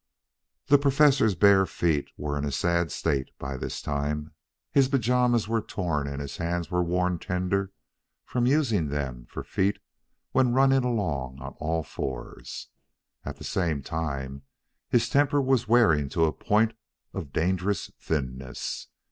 The Professor's bare feet were in a sad state by this time, his pajamas were torn and his hands were worn tender from using them for feet when running along on all fours. At the same time his temper was wearing to a point of dangerous thinness.